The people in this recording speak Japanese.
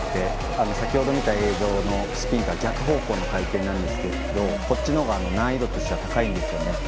先ほど見た映像のスピンとは逆方向の回転なんですけどこちらのほうが難易度としては高いんですよね。